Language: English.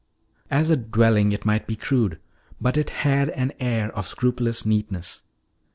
As a dwelling it might be crude, but it had an air of scrupulous neatness.